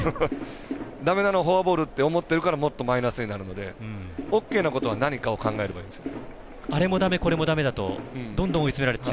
だめだめフォアボールって思ってるからもっとマイナスになるのでＯＫなことは何かを考えるんです。